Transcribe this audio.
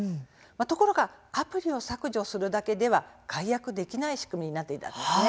ところがアプリを削除するだけでは解約できない仕組みになっていたんですね。